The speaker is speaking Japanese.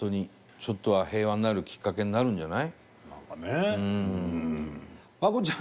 ちょっとは平和になるきっかけになるんじゃない？